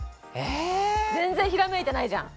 全然ひらめいてないじゃん。